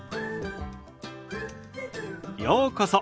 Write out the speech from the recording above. ようこそ。